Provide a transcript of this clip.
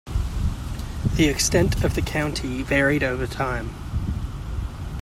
The extent of the county varied over time.